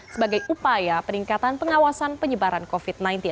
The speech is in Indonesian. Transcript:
sebagai upaya peningkatan pengawasan penyebaran covid sembilan belas